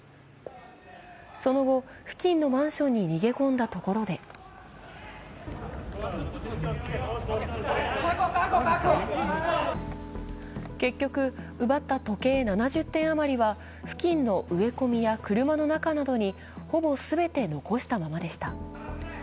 その後、付近のマンションに逃げ込んだところで結局、奪った時計７０点余りは付近の植え込みや車の中などにほぼ全て残したままでした。